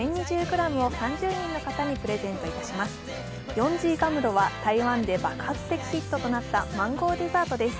ヨンジーガムロは台湾で爆発的ヒットとなったマンゴーデザートです。